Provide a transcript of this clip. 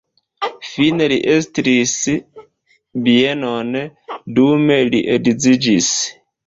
Fine li estris bienon, dume li edziĝis.